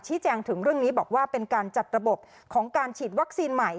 แจ้งถึงเรื่องนี้บอกว่าเป็นการจัดระบบของการฉีดวัคซีนใหม่